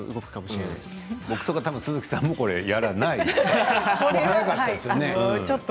僕とか鈴木さんもやらないでしょう？